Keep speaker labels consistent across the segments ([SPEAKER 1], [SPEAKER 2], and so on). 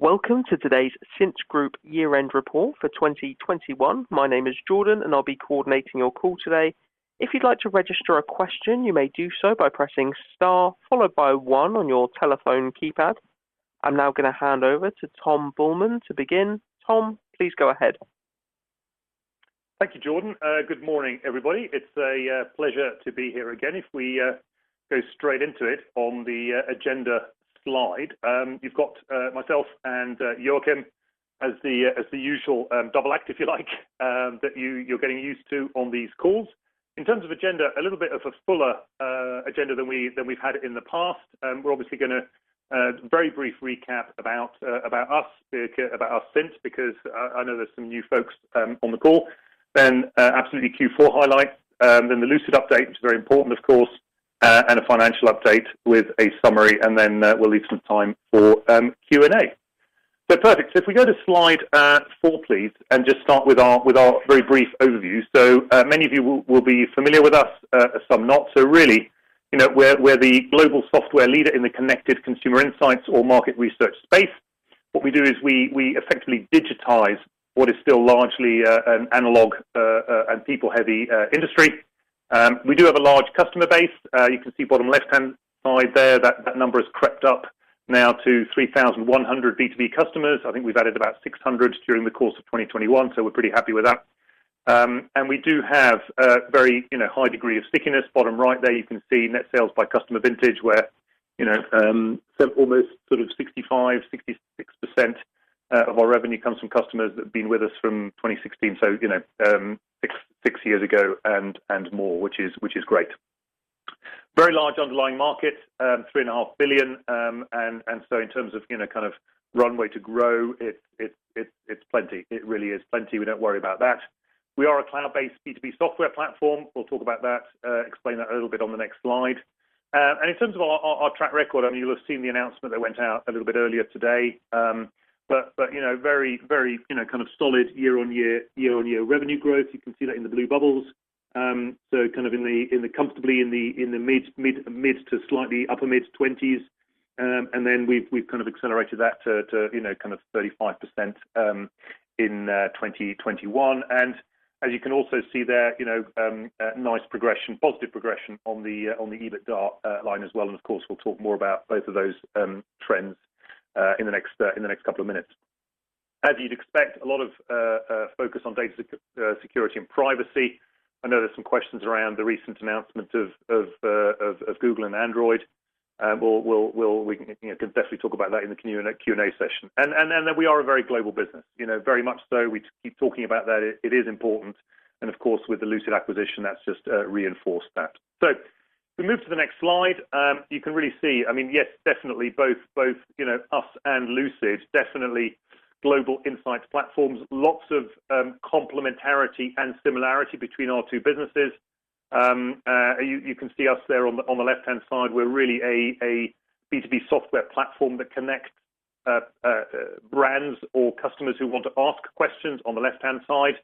[SPEAKER 1] Welcome to today's Cint Group year-end report for 2021. My name is Jordan, and I'll be coordinating your call today. If you'd like to register a question, you may do so by pressing star followed by one on your telephone keypad. I'm now gonna hand over to Tom Buehlmann to begin. Tom, please go ahead.
[SPEAKER 2] Thank you, Jordan. Good morning, everybody. It's a pleasure to be here again. If we go straight into it on the agenda slide, you've got myself and Joakim as the usual double act, if you like, that you're getting used to on these calls. In terms of agenda, a little bit of a fuller agenda than we've had in the past. We're obviously gonna very brief recap about us Cint, because I know there's some new folks on the call. Then absolutely Q4 highlights, then the Lucid update, which is very important, of course, and a financial update with a summary, and then we'll leave some time for Q&A. Perfect. If we go to slide four, please, and just start with our with our very brief overview. Many of you will be familiar with us, some not. Really, you know, we're the global software leader in the connected consumer insights or market research space. What we do is we effectively digitize what is still largely an analog and people-heavy industry. We do have a large customer base. You can see bottom left-hand side there, that number has crept up now to 3,100 B2B customers. I think we've added about 600 during the course of 2021, so we're pretty happy with that. And we do have a very, you know, high degree of stickiness. Bottom right there, you can see net sales by customer vintage where, you know, almost sort of 65%-66% of our revenue comes from customers that have been with us from 2016, so, you know, six years ago and more, which is great. Very large underlying market, 3.5 billion, and so in terms of, you know, kind of runway to grow, it's plenty. It really is plenty. We don't worry about that. We are a cloud-based B2B software platform. We'll talk about that, explain that a little bit on the next slide. In terms of our track record, I mean, you'll have seen the announcement that went out a little bit earlier today. You know, very you know kind of solid year-on-year revenue growth. You can see that in the blue bubbles. Kind of comfortably in the mid to slightly upper mid-20s. We've kind of accelerated that to you know kind of 35% in 2021. As you can also see there, you know nice positive progression on the EBITDA line as well. Of course, we'll talk more about both of those trends in the next couple of minutes. As you'd expect, a lot of focus on data security and privacy. I know there's some questions around the recent announcements of Google and Android. We can, you know, definitely talk about that in the Q&A session. Then we are a very global business. You know, very much so, we keep talking about that. It is important. Of course, with the Lucid acquisition, that's just reinforced that. We move to the next slide. You can really see, I mean, yes, definitely both, you know, us and Lucid, definitely global insights platforms, lots of complementarity and similarity between our two businesses. You can see us there on the left-hand side. We're really a B2B software platform that connects brands or customers who want to ask questions on the left-hand side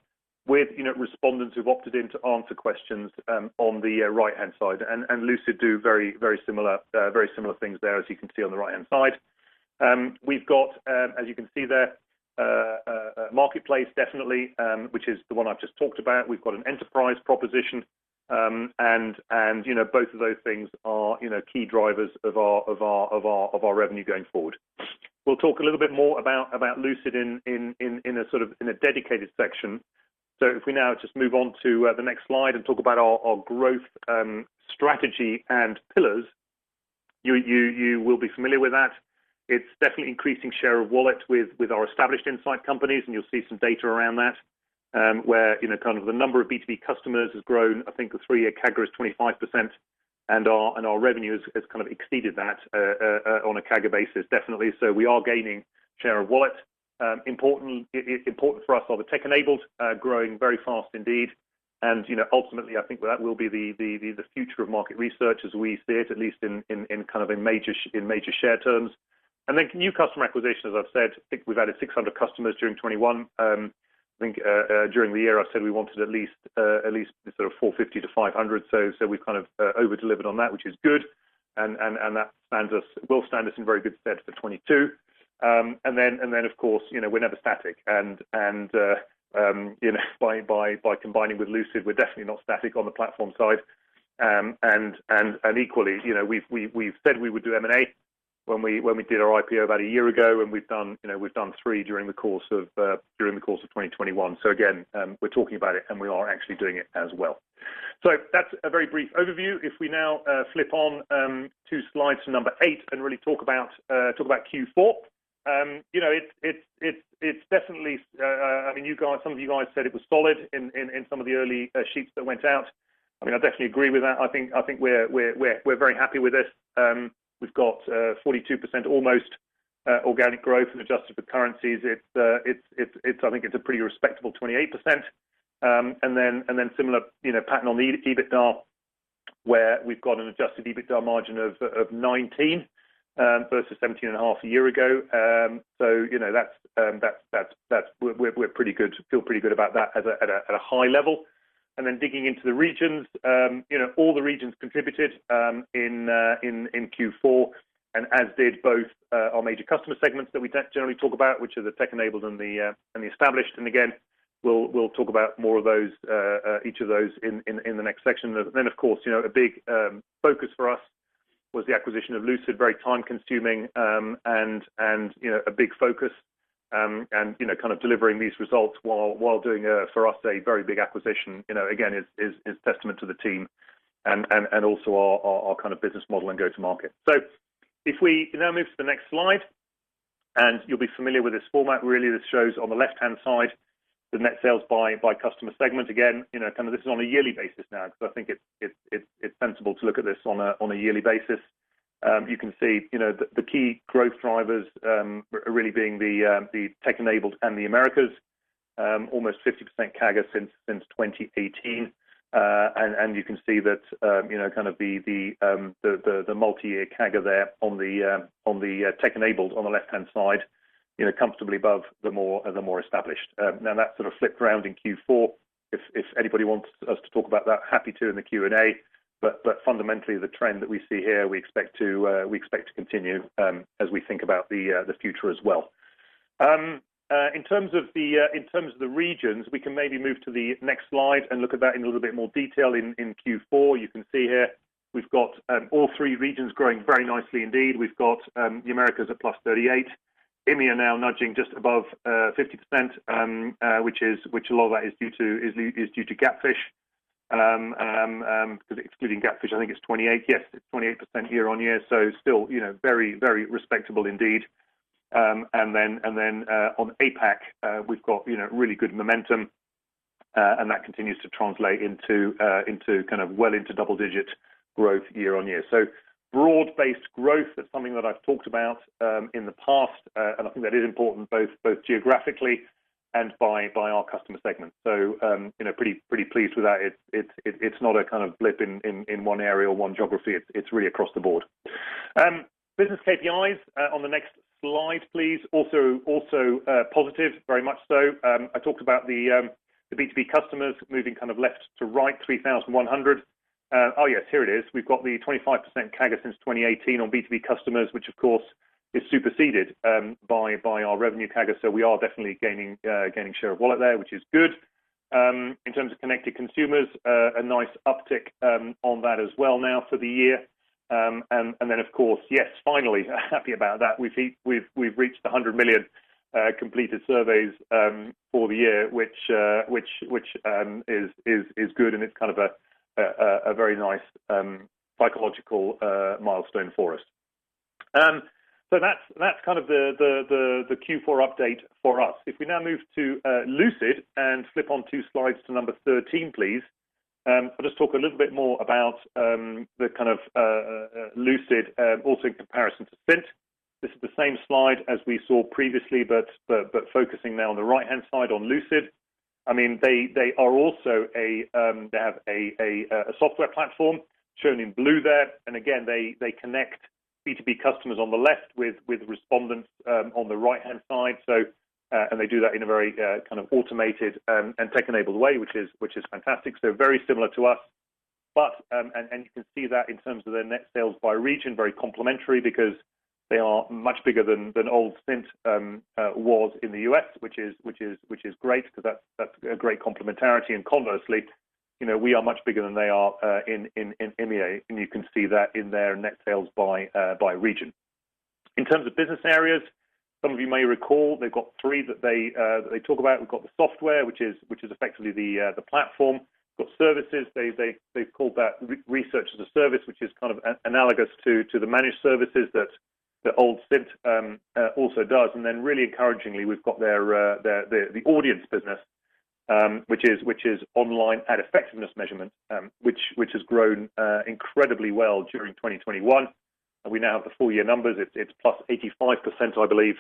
[SPEAKER 2] with, you know, respondents who've opted in to answer questions on the right-hand side. Lucid do very similar things there, as you can see on the right-hand side. We've got, as you can see there, a marketplace definitely, which is the one I've just talked about. We've got an enterprise proposition, you know, both of those things are, you know, key drivers of our revenue going forward. We'll talk a little bit more about Lucid in a sort of dedicated section. If we now just move on to the next slide and talk about our growth strategy and pillars, you will be familiar with that. It's definitely increasing share of wallet with our established insight companies, and you'll see some data around that, where you know kind of the number of B2B customers has grown. I think the three-year CAGR is 25%, and our revenue has kind of exceeded that on a CAGR basis, definitely. We are gaining share of wallet. It's important for us that they're tech-enabled growing very fast indeed. You know, ultimately, I think that will be the future of market research as we see it, at least in kind of major share terms. Then new customer acquisition, as I've said, I think we've added 600 customers during 2021. I think during the year, I said we wanted at least sort of 450-500. We've kind of over-delivered on that, which is good. That will stand us in very good stead for 2022. Then, of course, you know, we're never static. You know, by combining with Lucid, we're definitely not static on the platform side. Equally, you know, we've said we would do M&A when we did our IPO about a year ago, and we've done, you know, three during the course of 2021. Again, we're talking about it, and we are actually doing it as well. That's a very brief overview. If we now flip on to slides to number eight and really talk about Q4. You know, it's definitely, I mean, you guys, some of you guys said it was solid in some of the early sheets that went out. I mean, I definitely agree with that. I think we're very happy with it. We've got 42% almost organic growth and adjusted for currencies. It's, I think it's a pretty respectable 28%. Then similar, you know, pattern on the EBITDA, where we've got an adjusted EBITDA margin of 19% versus 17.5% a year ago. You know, that's. We're pretty good. Feel pretty good about that at a high level. Digging into the regions, you know, all the regions contributed in Q4, and as did both our major customer segments that we generally talk about, which are the tech-enabled and the established. Again, we'll talk about more of each of those in the next section. Of course, you know, a big focus for us was the acquisition of Lucid, very time-consuming, and you know, a big focus, and you know, kind of delivering these results while doing, for us, a very big acquisition, you know, again is testament to the team and also our kind of business model and go-to market. If we now move to the next slide, and you'll be familiar with this format. Really this shows on the left-hand side, the net sales by customer segment. Again, you know, kind of this is on a yearly basis now because I think it's sensible to look at this on a yearly basis. You can see, you know, the key growth drivers are really being the tech-enabled and the Americas, almost 50% CAGR since 2018. You can see that, you know, kind of the multi-year CAGR there on the tech-enabled on the left-hand side, you know, comfortably above the more established. Now that sort of flipped around in Q4. If anybody wants us to talk about that, happy to in the Q&A. Fundamentally, the trend that we see here, we expect to continue as we think about the future as well. In terms of the regions, we can maybe move to the next slide and look at that in a little bit more detail in Q4. You can see here we've got all three regions growing very nicely indeed. We've got the Americas at +38%. EMEA now nudging just above 50%, which a lot of that is due to GapFish. Excluding GapFish, I think it's 28%. Yes, it's 28% year-on-year. So still, you know, very respectable indeed. On APAC, we've got you know really good momentum, and that continues to translate into kind of well into double-digit growth year-on-year. Broad-based growth is something that I've talked about in the past, and I think that is important both geographically and by our customer segment. You know, pretty pleased with that. It's not a kind of blip in one area or one geography. It's really across the board. Business KPIs on the next slide, please. Also positive, very much so. I talked about the B2B customers moving kind of left to right, 3,100. Oh yes, here it is. We've got the 25% CAGR since 2018 on B2B customers, which of course is superseded by our revenue CAGR. We are definitely gaining share of wallet there, which is good. In terms of connected consumers, a nice uptick on that as well now for the year. Of course, yes, finally happy about that. We've reached 100 million completed surveys for the year which is good and it's kind of a very nice psychological milestone for us. That's kind of the Q4 update for us. If we now move to Lucid and flip on two slides to number 13, please. I'll just talk a little bit more about the kind of Lucid also in comparison to Cint. This is the same slide as we saw previously, but focusing now on the right-hand side on Lucid. I mean, they are also a they have a software platform shown in blue there. Again, they connect B2B customers on the left with respondents on the right-hand side. They do that in a very kind of automated and tech-enabled way, which is fantastic. Very similar to us. You can see that in terms of their net sales by region, very complementary because they are much bigger than old Cint was in the U.S., which is great because that's a great complementarity. Conversely, you know, we are much bigger than they are in EMEA, and you can see that in their net sales by region. In terms of business areas, some of you may recall they've got three that they talk about. We've got the software, which is effectively the platform of services. They've called that research as a service, which is kind of analogous to the managed services that the old Cint also does. Really encouragingly, we've got their audience business, which is online ad effectiveness measurement, which has grown incredibly well during 2021. We now have the full-year numbers. It's +85%, I believe.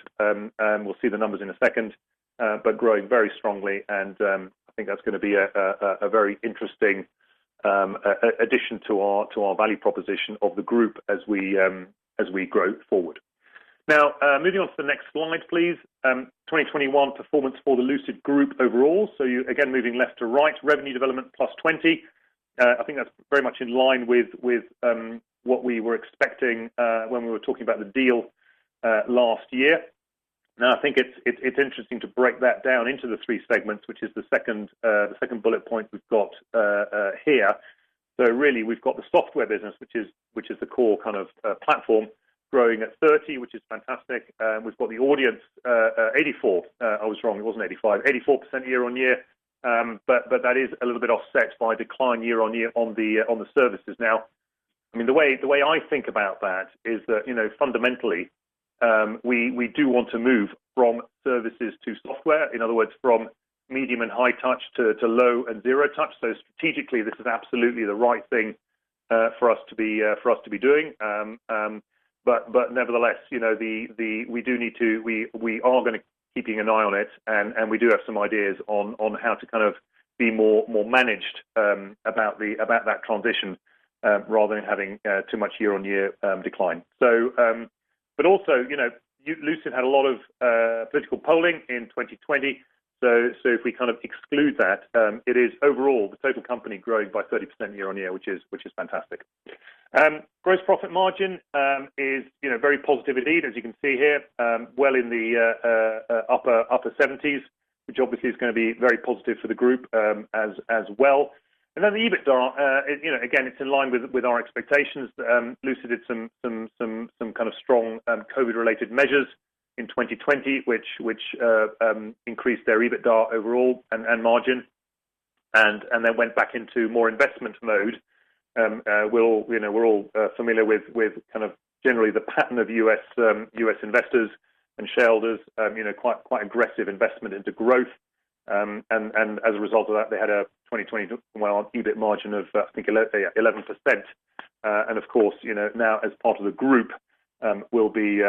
[SPEAKER 2] We'll see the numbers in a second, but growing very strongly. I think that's gonna be a very interesting addition to our value proposition of the group as we grow forward. Now, moving on to the next slide, please. 2021 performance for the Lucid Group overall. You again, moving left to right, revenue development +20%. I think that's very much in line with what we were expecting when we were talking about the deal last year. Now, I think it's interesting to break that down into the three segments, which is the second bullet point we've got here. Really we've got the software business, which is the core kind of platform growing at 30%, which is fantastic. We've got the audience 84, I was wrong, it wasn't 85, 84% year-on-year. That is a little bit offset by decline year-on-year on the services. Now, I mean, the way I think about that is that, you know, fundamentally, we do want to move from services to software. In other words, from medium and high touch to low and zero touch. Strategically, this is absolutely the right thing for us to be doing. Nevertheless, you know, we do need to. We are gonna keep an eye on it and we do have some ideas on how to kind of be more managed about that transition. Rather than having too much year-on-year decline. Also, you know, Lucid had a lot of political polling in 2020. If we kind of exclude that, it is overall the total company growing by 30% year-on-year, which is fantastic. Gross profit margin is, you know, very positive indeed, as you can see here, well in the upper 70s, which obviously is gonna be very positive for the group, as well. Then the EBITDA, you know, again, it's in line with our expectations. Lucid did some kind of strong COVID-related measures in 2020, which increased their EBITDA overall and margin, and then went back into more investment mode. We're all, you know, familiar with kind of generally the pattern of U.S. investors and shareholders, you know, quite aggressive investment into growth. As a result of that, they had a 2020 EBIT margin of, I think, 11%. Of course, you know, now as part of the group, we'll be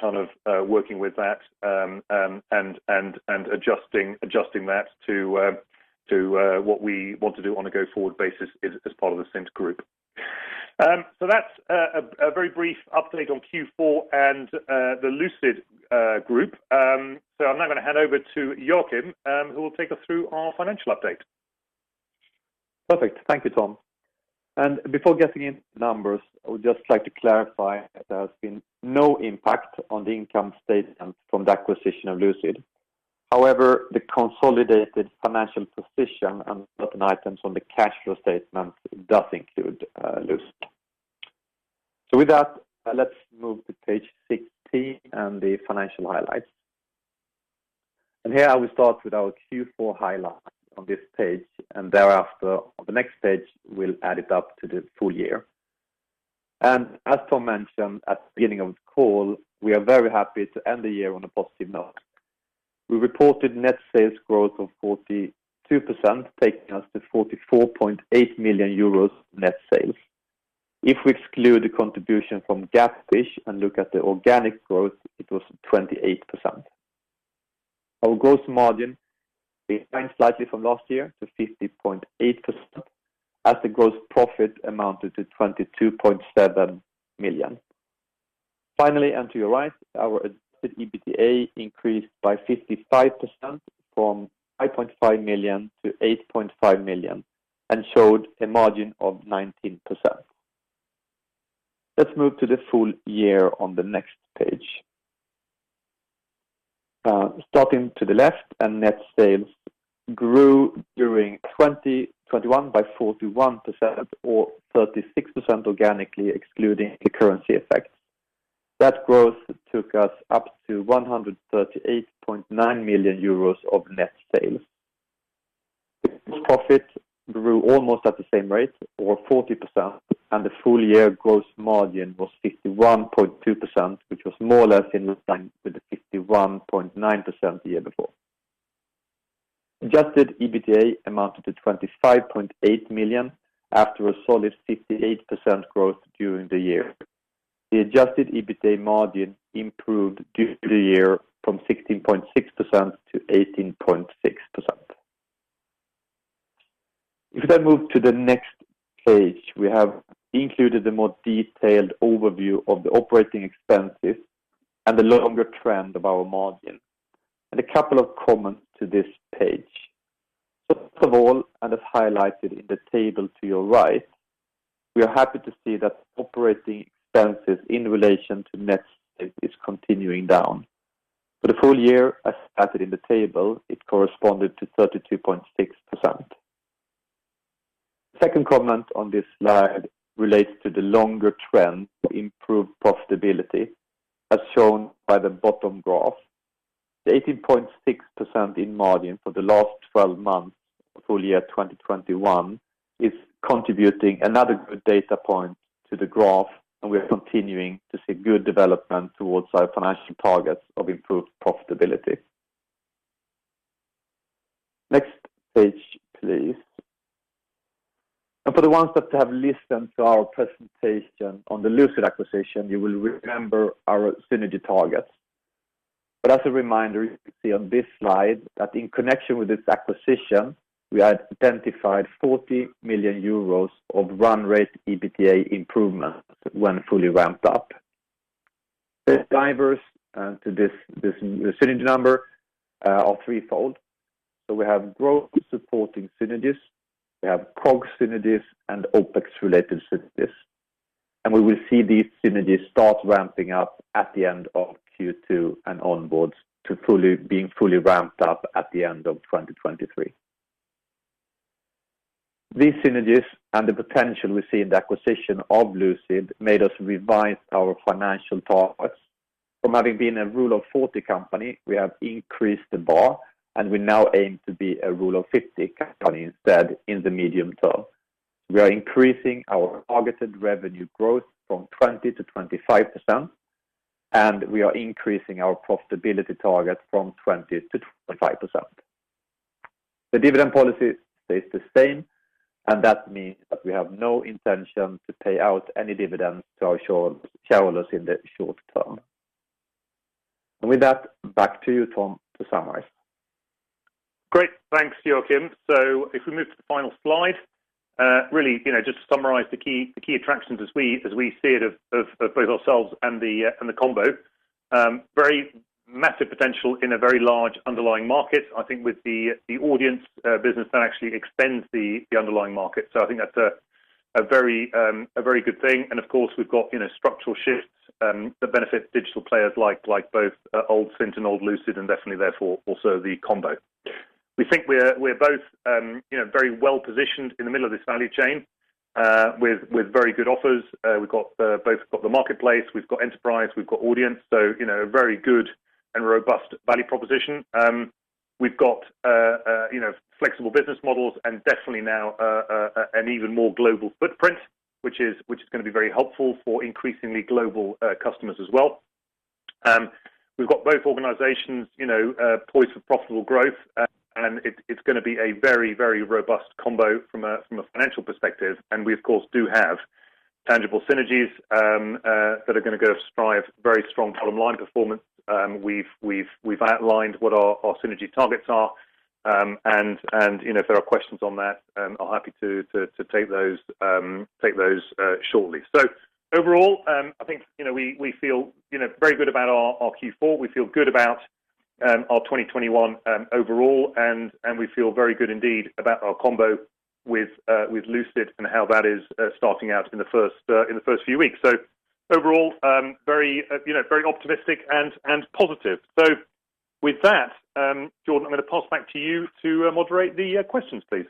[SPEAKER 2] kind of working with that and adjusting that to what we want to do on a go-forward basis as part of the Cint Group. That's a very brief update on Q4 and the Lucid Group. I'm now gonna hand over to Joakim who will take us through our financial update.
[SPEAKER 3] Perfect. Thank you, Tom. Before getting into numbers, I would just like to clarify there has been no impact on the income statement from the acquisition of Lucid. However, the consolidated financial position and certain items on the cash flow statement does include Lucid. With that, let's move to page 16 and the financial highlights. Here I will start with our Q4 highlights on this page, and thereafter on the next page, we'll add it up to the full-year. As Tom mentioned at the beginning of the call, we are very happy to end the year on a positive note. We reported net sales growth of 42%, taking us to 44.8 million euros net sales. If we exclude the contribution from GapFish and look at the organic growth, it was 28%. Our gross margin declined slightly from last year to 50.8% as the gross profit amounted to 22.7 million. Finally, and to your right, our adjusted EBITDA increased by 55% from 5.5 million to 8.5 million and showed a margin of 19%. Let's move to the full-year on the next page. Starting to the left, net sales grew during 2021 by 41% or 36% organically excluding the currency effects. That growth took us up to 138.9 million euros of net sales. Gross profit grew almost at the same rate or 40%, and the full year gross margin was 51.2%, which was more or less in line with the 51.9% the year before. Adjusted EBITDA amounted to 25.8 million after a solid 58% growth during the year. The adjusted EBITDA margin improved during the year from 16.6% to 18.6%. If I move to the next page, we have included a more detailed overview of the operating expenses and the longer trend of our margin. A couple of comments to this page. First of all, and as highlighted in the table to your right, we are happy to see that operating expenses in relation to net sales is continuing down. For the full year, as stated in the table, it corresponded to 32.6%. Second comment on this slide relates to the longer trend to improve profitability as shown by the bottom graph. The 18.6% in margin for the last 12 months full year 2021 is contributing another good data point to the graph, and we are continuing to see good development towards our financial targets of improved profitability. Next page, please. For the ones that have listened to our presentation on the Lucid acquisition, you will remember our synergy targets. As a reminder, you can see on this slide that in connection with this acquisition, we had identified 40 million euros of run-rate EBITDA improvement when fully ramped up. The drivers to this synergy number are threefold. We have growth-supporting synergies, we have COGS synergies and OpEx-related synergies. We will see these synergies start ramping up at the end of Q2 and onwards to being fully ramped up at the end of 2023. These synergies and the potential we see in the acquisition of Lucid made us revise our financial targets. From having been a Rule of 40 company, we have increased the bar, and we now aim to be a Rule of 50 company instead in the medium term. We are increasing our targeted revenue growth from 20%-25%, and we are increasing our profitability target from 20%-25%. The dividend policy stays the same, and that means that we have no intention to pay out any dividends to our shareholders in the short term. With that back to you, Tom, to summarize.
[SPEAKER 2] Great. Thanks Joakim. If we move to the final slide, really, you know, just to summarize the key attractions as we see it of both ourselves and the combo. Very massive potential in a very large underlying market. I think with the audience business that actually extends the underlying market. I think that's a very good thing. Of course, we've got, you know, structural shifts that benefit digital players like both old Cint and old Lucid, and definitely therefore, also the combo. We think we're both, you know, very well-positioned in the middle of this value chain with very good offers. We've got both the marketplace, we've got enterprise, we've got audience, so you know, very good and robust value proposition. We've got you know, flexible business models and definitely now an even more global footprint, which is gonna be very helpful for increasingly global customers as well. We've got both organizations, you know, poised for profitable growth. It's gonna be a very robust combo from a financial perspective. We of course do have tangible synergies that are gonna drive very strong bottom-line performance. We've outlined what our synergy targets are. You know, if there are questions on that, I'm happy to take those shortly. Overall, I think, you know, we feel, you know, very good about our Q4. We feel good about our 2021 overall, and we feel very good indeed about our combo with Lucid and how that is starting out in the first few weeks. Overall, very optimistic and positive. With that, Jordan, I'm gonna pass back to you to moderate the questions, please.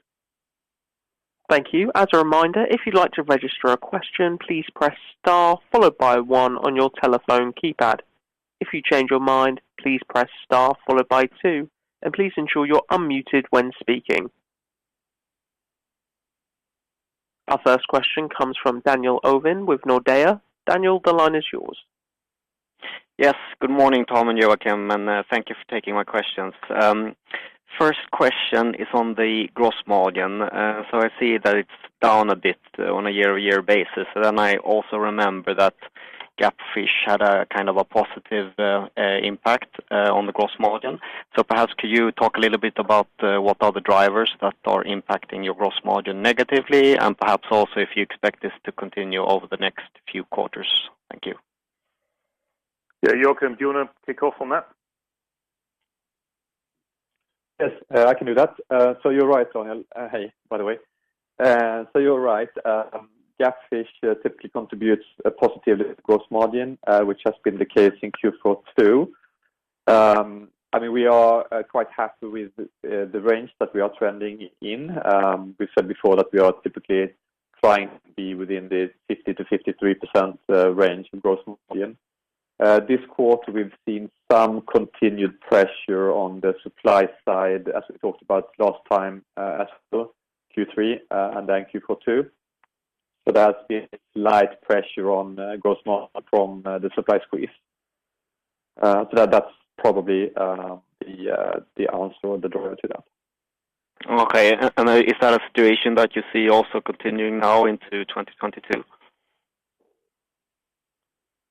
[SPEAKER 1] Thank you. As a reminder, if you'd like to register a question, please press star followed by one on your telephone keypad. If you change your mind, please press star followed by two, and please ensure you're unmuted when speaking. Our first question comes from Daniel Ovin with Nordea. Daniel, the line is yours.
[SPEAKER 4] Yes. Good morning, Tom and Joakim, and thank you for taking my questions. First question is on the gross margin. I see that it's down a bit on a year-over-year basis. I also remember that GapFish had a kind of a positive impact on the gross margin. Perhaps could you talk a little bit about what are the drivers that are impacting your gross margin negatively, and perhaps also if you expect this to continue over the next few quarters? Thank you.
[SPEAKER 2] Yeah. Joakim, do you wanna kick off on that?
[SPEAKER 3] Yes. I can do that. You're right, Daniel. Hey, by the way. You're right. GapFish typically contributes a positive gross margin, which has been the case in Q4 too. I mean, we are quite happy with the range that we are trending in. We've said before that we are typically trying to be within the 50%-53% range in gross margin. This quarter we've seen some continued pressure on the supply side as we talked about last time, as for Q3, and then Q4 too. That's been slight pressure on gross margin from the supply squeeze. That's probably the answer or the driver to that.
[SPEAKER 4] Okay. Is that a situation that you see also continuing now into 2022?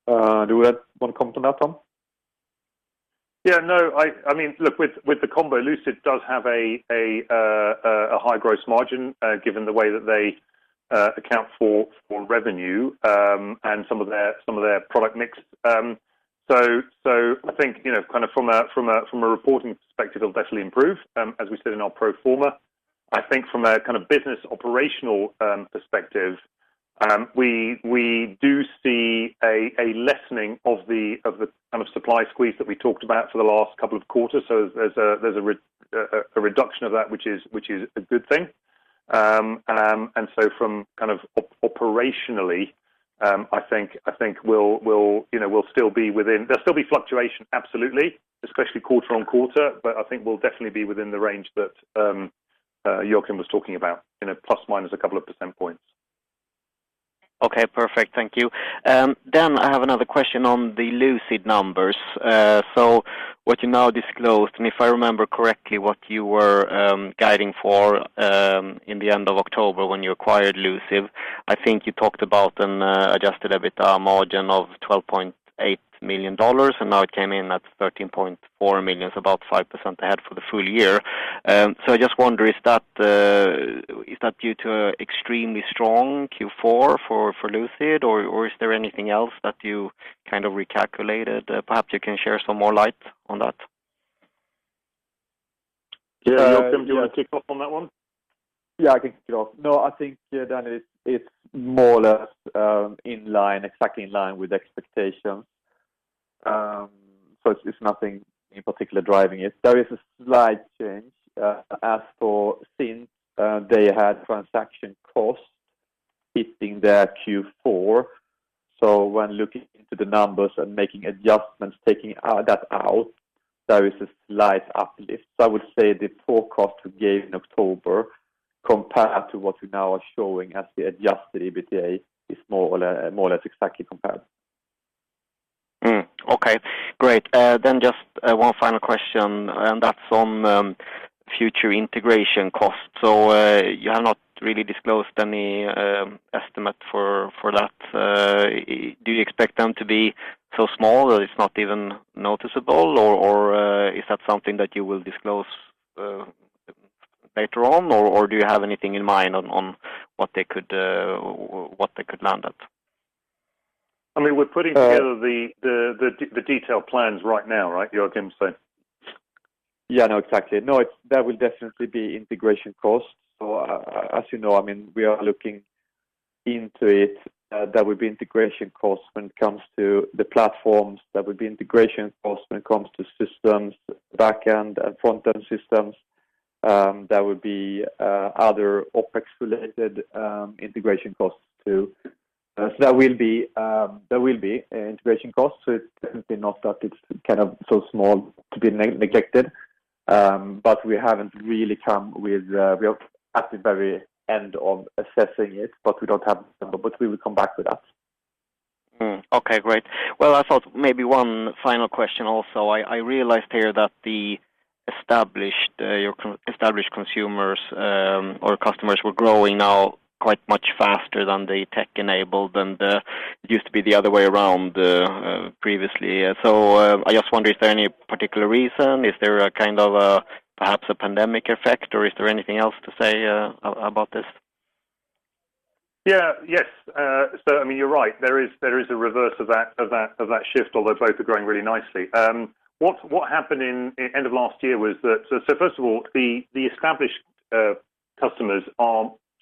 [SPEAKER 3] Do you wanna comment on that, Tom?
[SPEAKER 2] Yeah, no. I mean, look with the combo, Lucid does have a high gross margin, given the way that they account for revenue, and some of their product mix. I think, you know, kind of from a reporting perspective, it'll definitely improve, as we said in our pro forma. I think from a kind of business operational perspective, we do see a lessening of the kind of supply squeeze that we talked about for the last couple of quarters. There's a reduction of that, which is a good thing. From kind of operationally, I think we'll, you know, we'll still be within, there'll still be fluctuation absolutely, especially quarter-on-quarter, but I think we'll definitely be within the range that Joakim was talking about in plus, minus a couple of percentage points.
[SPEAKER 4] Okay, perfect. Thank you. I have another question on the Lucid numbers. What you now disclosed, and if I remember correctly, what you were guiding for in the end of October when you acquired Lucid, I think you talked about an adjusted EBITDA margin of $12.8 million, and now it came in at $13.4 million, so about 5% ahead for the full year. I just wonder, is that due to extremely strong Q4 for Lucid or is there anything else that you kind of recalculated? Perhaps you can shed some more light on that.
[SPEAKER 2] Yeah. Joakim, do you wanna kick off on that one?
[SPEAKER 3] Yeah, I can kick it off. No, I think that it's more or less in line, exactly in line with expectations. It's nothing in particular driving it. There is a slight change since they had transaction costs hitting their Q4. When looking into the numbers and making adjustments, taking that out, there is a slight uplift. I would say the forecast we gave in October, compared to what we now are showing as the adjusted EBITDA, is more or less exactly compared.
[SPEAKER 4] Okay, great. Just one final question, and that's on future integration costs. You have not really disclosed any estimate for that. Do you expect them to be so small that it's not even noticeable or is that something that you will disclose later on, or do you have anything in mind on what they could land at?
[SPEAKER 2] I mean, we're putting together the detailed plans right now, right, Joakim, so.
[SPEAKER 3] Yeah. No, exactly. No, it's. There will definitely be integration costs. As you know, I mean, we are looking into it. There will be integration costs when it comes to the platforms. There will be integration costs when it comes to systems, back-end and front-end systems. There will be other OpEx-related integration costs too. There will be integration costs. It's definitely not that it's kind of so small to be neglected, but we haven't really come with. We are at the very end of assessing it, but we don't have a number, but we will come back with that.
[SPEAKER 4] Okay, great. Well, I thought maybe one final question also. I realized here that the established, your established consumers, or customers were growing now quite much faster than the tech-enabled and, it used to be the other way around, previously. I just wonder, is there any particular reason? Is there a kind of, perhaps a pandemic effect, or is there anything else to say about this?
[SPEAKER 2] Yeah. Yes. I mean, you're right. There is a reverse of that shift, although both are growing really nicely. What happened in end of last year was that first of all, the established customers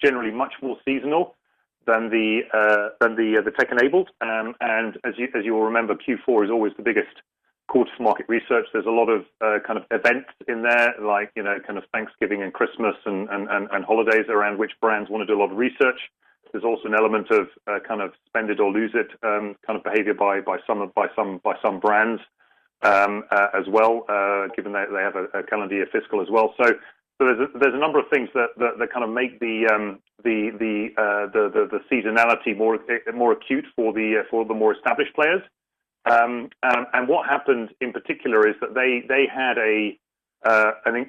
[SPEAKER 2] are generally much more seasonal than the tech-enabled. And as you will remember, Q4 is always the biggest quarter for market research. There's a lot of kind of events in there, like you know, kind of Thanksgiving and Christmas and holidays around which brands wanna do a lot of research. There's also an element of kind of spend it or lose it kind of behavior by some brands as well, given that they have a calendar year fiscal as well. There's a number of things that kind of make the seasonality more acute for the more established players. What happened in particular is that they had an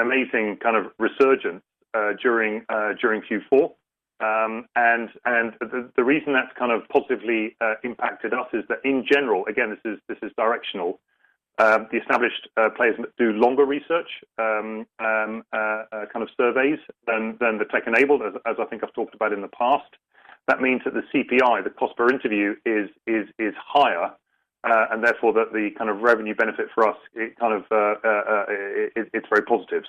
[SPEAKER 2] amazing kind of resurgence during Q4. The reason that's kind of positively impacted us is that in general, again, this is directional, the established players do longer research kind of surveys than the tech-enabled as I think I've talked about in the past. That means that the CPI, the cost per interview is higher, and therefore, the kind of revenue benefit for us, it kind of, it's very positive.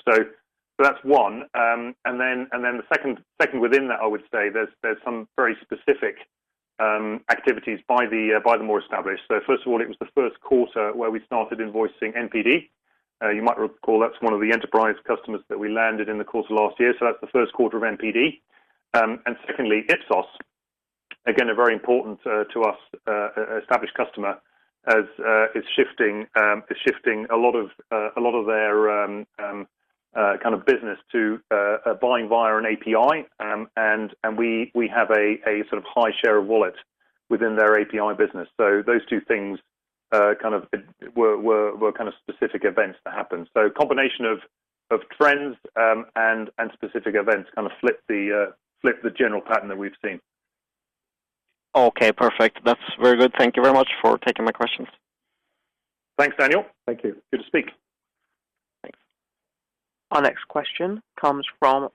[SPEAKER 2] That's one. The second within that, I would say, there's some very specific activities by the more established. First of all, it was the first quarter where we started invoicing NPD. You might recall that's one of the enterprise customers that we landed in the course of last year. That's the first quarter of NPD. Secondly, Ipsos, again, a very important to us established customer is shifting a lot of their kind of business to buying via an API. We have a sort of high share of wallet within their API business. Those two things kind of were kind of specific events that happened. Combination of trends and specific events kind of flipped the general pattern that we've seen.
[SPEAKER 4] Okay, perfect. That's very good. Thank you very much for taking my questions.
[SPEAKER 2] Thanks, Daniel.
[SPEAKER 3] Thank you.
[SPEAKER 2] Good to speak.
[SPEAKER 4] Thanks.
[SPEAKER 1] Our next question comes from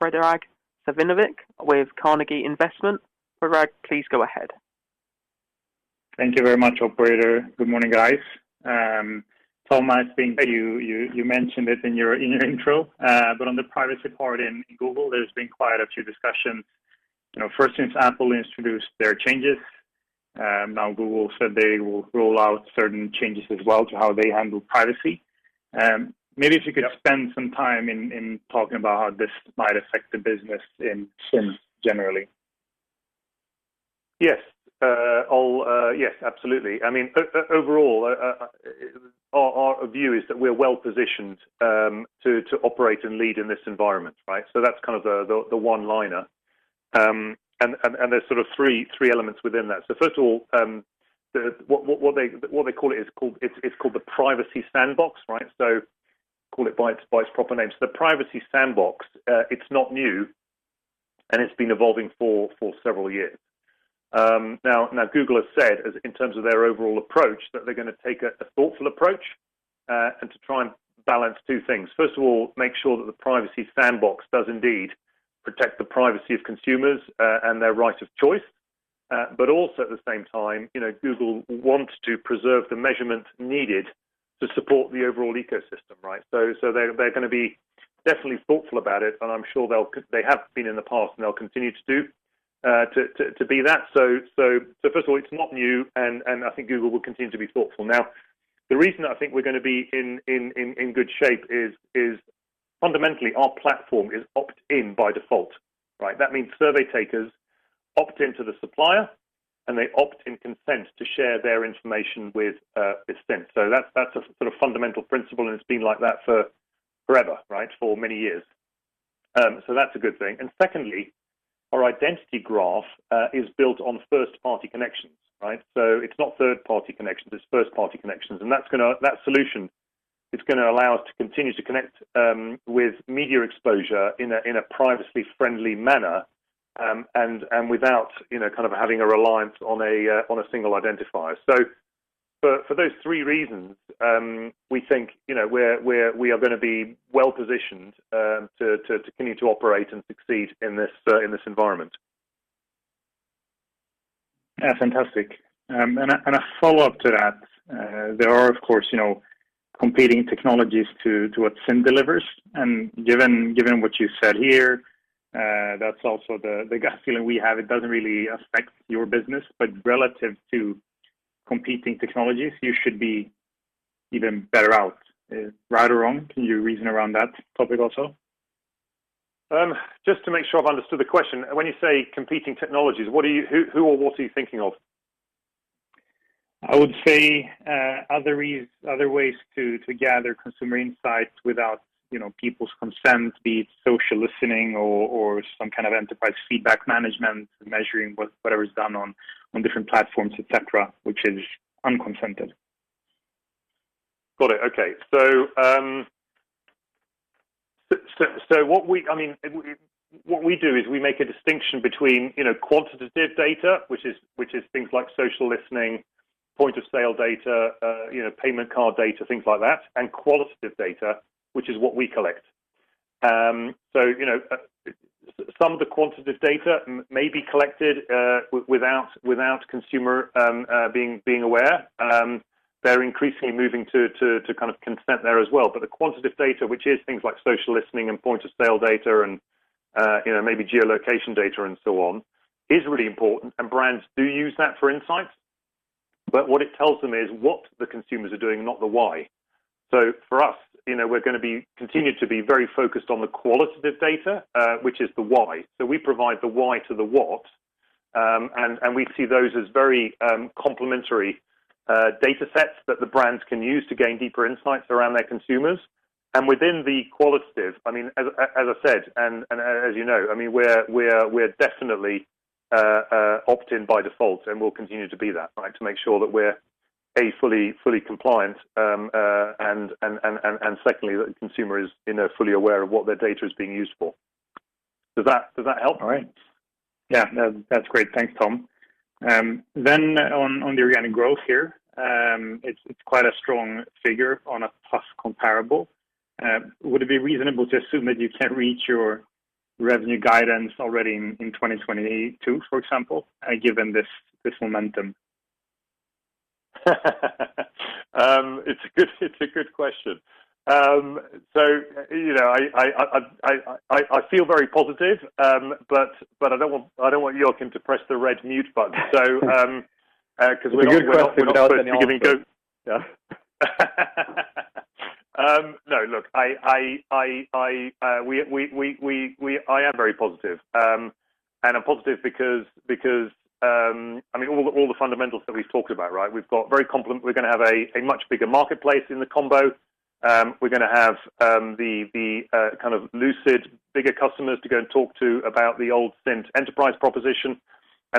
[SPEAKER 1] Predrag Savinovic with Carnegie Investment. Predrag, please go ahead.
[SPEAKER 5] Thank you very much, operator. Good morning, guys. Tom, I think that you mentioned it in your intro, but on the privacy part in Google, there's been quite a few discussions, you know, first since Apple introduced their changes, now Google said they will roll out certain changes as well to how they handle privacy. Maybe if you could spend some time talking about how this might affect the business in Cint generally.
[SPEAKER 2] Yes. Yes, absolutely. I mean, overall, our view is that we're well-positioned to operate and lead in this environment, right? That's kind of the one-liner. There's sort of three elements within that. First of all, it's called the Privacy Sandbox, right? Call it by its proper name. The Privacy Sandbox, it's not new and it's been evolving for several years. Now Google has said, in terms of their overall approach, that they're gonna take a thoughtful approach and to try and balance two things. First of all, make sure that the Privacy Sandbox does indeed protect the privacy of consumers and their right of choice. Also at the same time, you know, Google wants to preserve the measurement needed to support the overall ecosystem, right? They're gonna be definitely thoughtful about it, and I'm sure they have been in the past, and they'll continue to be that. First of all, it's not new, and I think Google will continue to be thoughtful. Now, the reason I think we're gonna be in good shape is fundamentally our platform is opt-in by default, right? That means survey takers opt into the supplier, and they opt in consent to share their information with clients. That's a sort of fundamental principle, and it's been like that for forever, right? For many years. That's a good thing. Secondly, our identity graph is built on first-party connections, right? So it's not third-party connections, it's first-party connections, and that solution is gonna allow us to continue to connect with media exposure in a privacy-friendly manner, and without, you know, kind of having a reliance on a single identifier. So for those three reasons, we think, you know, we are gonna be well-positioned to continue to operate and succeed in this environment.
[SPEAKER 5] Yeah. Fantastic. A follow-up to that. There are, of course, you know, competing technologies to what Cint delivers, and given what you said here, that's also the gut feeling we have. It doesn't really affect your business, but relative to competing technologies, you should be even better out. Right or wrong? Can you reason around that topic also?
[SPEAKER 2] Just to make sure I've understood the question. When you say competing technologies, who or what are you thinking of?
[SPEAKER 5] I would say other ways to gather consumer insights without, you know, people's consent, be it social listening or some kind of enterprise feedback management, measuring whatever is done on different platforms, et cetera, which is unconsented.
[SPEAKER 2] Got it. Okay. What we do is we make a distinction between, you know, quantitative data, which is things like social listening, point of sale data, you know, payment card data, things like that, and qualitative data, which is what we collect. You know, some of the quantitative data may be collected without consumer being aware. They're increasingly moving to kind of consent there as well. The quantitative data, which is things like social listening and point of sale data and, you know, maybe geolocation data and so on, is really important, and brands do use that for insights. What it tells them is what the consumers are doing, not the why. For us, you know, we're gonna be continue to be very focused on the qualitative data, which is the why. We provide the why to the what, and we see those as very complementary data sets that the brands can use to gain deeper insights around their consumers. Within the qualitative, I mean, as I said, and as you know, I mean, we're definitely opt-in by default and will continue to be that, right? To make sure that we're A, fully compliant, and secondly, that the consumer is, you know, fully aware of what their data is being used for. Does that help?
[SPEAKER 5] All right. Yeah. No, that's great. Thanks, Tom. On the organic growth here, it's quite a strong figure on a plus comparable. Would it be reasonable to assume that you can reach your revenue guidance already in 2022, for example, given this momentum?
[SPEAKER 2] It's a good question. You know, I feel very positive, but I don't want Joakim to press the red mute button.
[SPEAKER 5] It's a good question without any answer.
[SPEAKER 2] No. Look, I am very positive. I'm positive because I mean, all the fundamentals that we've talked about, right? We're gonna have a much bigger marketplace in the combo. We're gonna have the kind of Lucid bigger customers to go and talk to about the old Cint Enterprise proposition.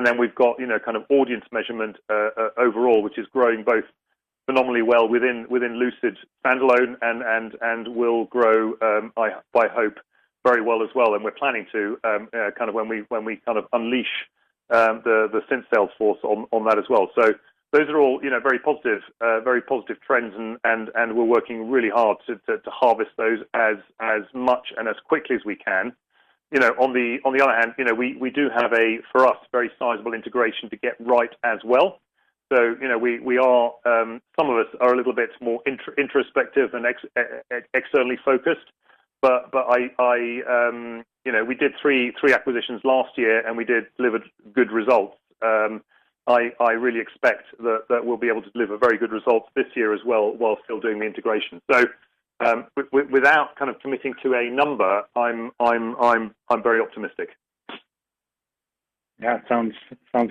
[SPEAKER 2] Then we've got, you know, kind of audience measurement overall, which is growing both phenomenally well within Lucid standalone and will grow, I hope very well as well. We're planning to kind of when we kind of unleash the Cint sales force on that as well. Those are all, you know, very positive, very positive trends and we're working really hard to harvest those as much and as quickly as we can. You know, on the other hand, you know, we do have a, for us, very sizable integration to get right as well. Some of us are a little bit more introspective than externally focused. But I, you know, we did three acquisitions last year, and we did deliver good results. I really expect that we'll be able to deliver very good results this year as well while still doing the integration. Without kind of committing to a number, I'm very optimistic.
[SPEAKER 5] Yeah. It sounds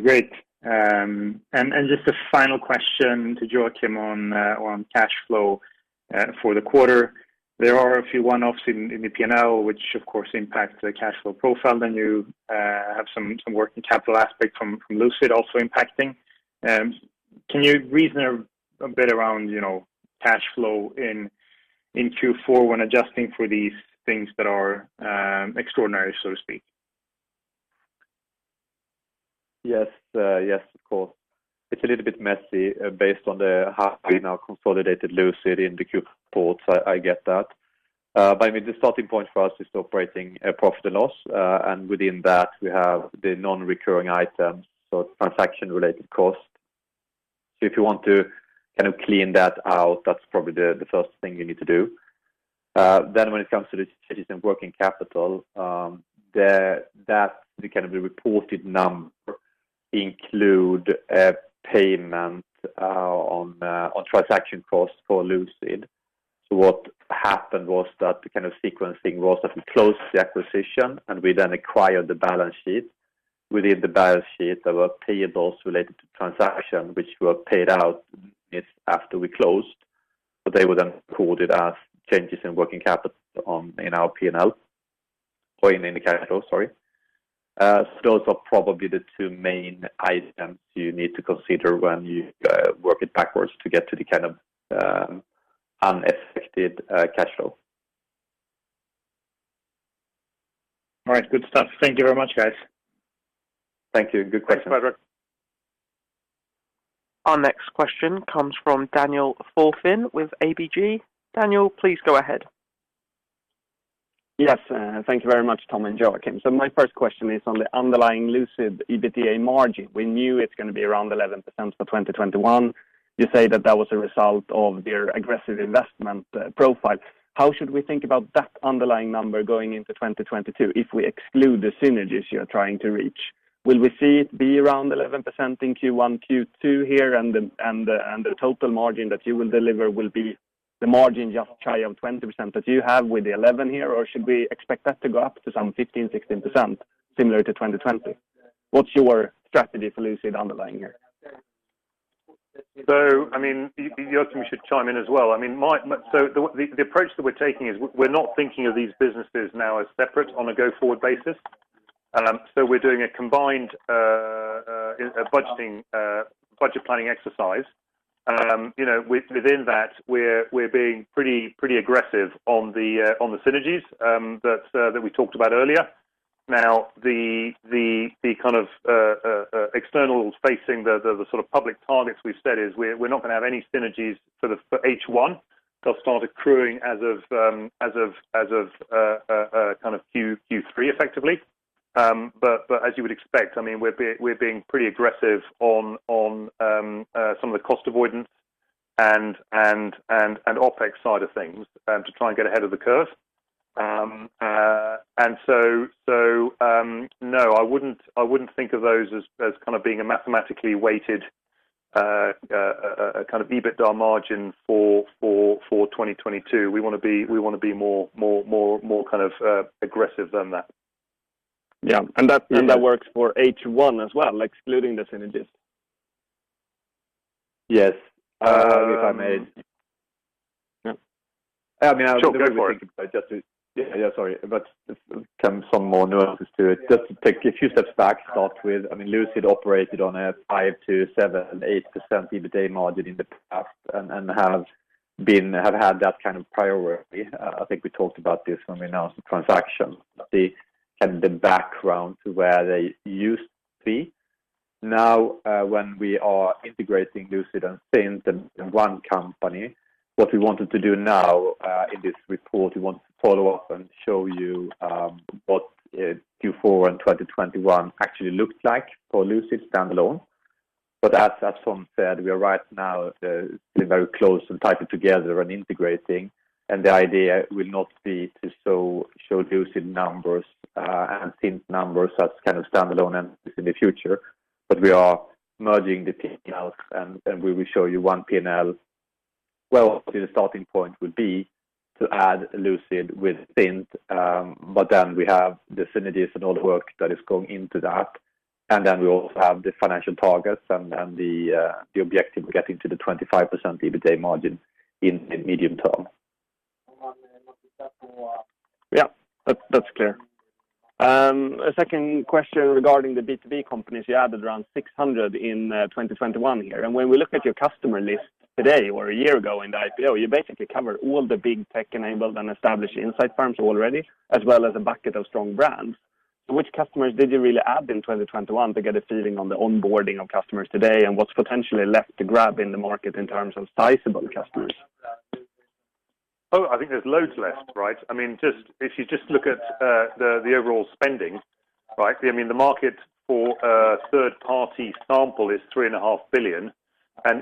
[SPEAKER 5] great. Just a final question to Joakim on cash flow for the quarter. There are a few one-offs in the P&L which of course impact the cash flow profile. You have some working capital aspect from Lucid also impacting. Can you reason a bit around you know cash flow in Q4 when adjusting for these things that are extraordinary so to speak?
[SPEAKER 3] Yes. Yes, of course. It's a little bit messy, based on the half we now consolidated Lucid in the Q reports. I get that. But I mean, the starting point for us is the operating profit and loss. Within that, we have the non-recurring items, so transaction-related costs. If you want to kind of clean that out, that's probably the first thing you need to do. Then when it comes to the current working capital, that's the kind of reported number include a payment on transaction costs for Lucid. What happened was that the kind of sequencing was that we closed the acquisition, and we then acquired the balance sheet. Within the balance sheet, there were payables related to transaction, which were paid out. It's after we closed, but they would then record it as changes in working capital in our P&L or in EBITDA, sorry. Those are probably the two main items you need to consider when you work it backwards to get to the kind of unaffected cash flow.
[SPEAKER 5] All right. Good stuff. Thank you very much, guys.
[SPEAKER 3] Thank you. Good question.
[SPEAKER 2] Thanks, Predrag Savinovic.
[SPEAKER 1] Our next question comes from Daniel Thorsson with ABG. Daniel, please go ahead.
[SPEAKER 6] Yes, thank you very much, Tom and Joakim. My first question is on the underlying Lucid EBITDA margin. We knew it's gonna be around 11% for 2021. You say that that was a result of their aggressive investment profile. How should we think about that underlying number going into 2022 if we exclude the synergies you're trying to reach? Will we see it be around 11% in Q1, Q2 here and the total margin that you will deliver will be the margin just shy of 20% that you have with the 11 here? Or should we expect that to go up to some 15, 16% similar to 2020? What's your strategy for Lucid underlying here?
[SPEAKER 2] I mean, Joakim should chime in as well. I mean, the approach that we're taking is we're not thinking of these businesses now as separate on a go-forward basis. We're doing a combined budget planning exercise. You know, within that, we're being pretty aggressive on the synergies that we talked about earlier. Now, the kind of external-facing, the sort of public targets we've said is we're not gonna have any synergies, sort of, for H1. They'll start accruing as of kind of Q3 effectively. As you would expect, I mean, we're being pretty aggressive on some of the cost avoidance and OpEx side of things to try and get ahead of the curve. No, I wouldn't think of those as kind of being a mathematically weighted a kind of EBITDA margin for 2022. We wanna be more kind of aggressive than that.
[SPEAKER 6] Yeah. That works for H1 as well, excluding the synergies.
[SPEAKER 3] Yes. If I may.
[SPEAKER 6] Yeah.
[SPEAKER 3] I mean.
[SPEAKER 6] Sure, go for it.
[SPEAKER 3] Some more nuances to it. Just to take a few steps back, start with, I mean, Lucid operated on a 5%-8% EBITDA margin in the past and have had that kind of priority. I think we talked about this when we announced the transaction, the kind of background to where they used to be. Now, when we are integrating Lucid and Cint in one company, what we wanted to do now, in this report, we want to follow up and show you what Q4 and 2021 actually looked like for Lucid standalone. As Tom said, we are right now very close and tighter together and integrating, and the idea will not be to show Lucid numbers and Cint numbers as kind of standalone entities in the future. We are merging the P&Ls, and we will show you one P&L. Well, the starting point would be to add Lucid with Cint, but then we have the synergies and all the work that is going into that. Then we also have the financial targets and the objective of getting to the 25% EBITDA margin in the medium term.
[SPEAKER 6] Yeah. That's clear. A second question regarding the B2B companies. You added around 600 in 2021 here. When we look at your customer list today or a year ago in the IPO, you basically cover all the big tech-enabled and established insight firms already, as well as a bucket of strong brands. Which customers did you really add in 2021 to get a feeling on the onboarding of customers today? What's potentially left to grab in the market in terms of sizable customers?
[SPEAKER 2] Oh, I think there's loads left, right? I mean, if you just look at the overall spending, right? I mean, the market for a third-party sample is 3.5 billion.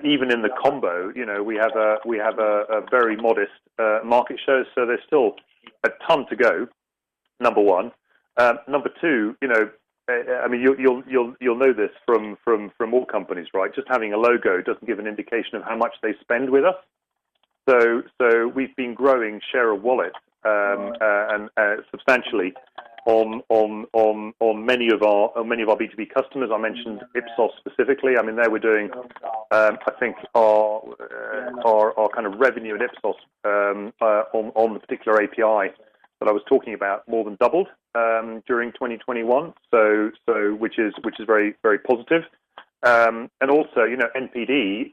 [SPEAKER 2] Even in the combo, you know, we have a very modest market share, so there's still a ton to go, number one. Number two, you know, I mean, you'll know this from all companies, right? Just having a logo doesn't give an indication of how much they spend with us. We've been growing share of wallet and substantially on many of our B2B customers. I mentioned Ipsos specifically. I mean, they were doing, I think our kind of revenue at Ipsos, on the particular API that I was talking about more than doubled during 2021, which is very positive. Also, you know, NPD,